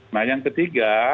nah yang ketiga